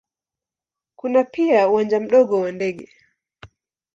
Kuna pia uwanja mdogo wa ndege.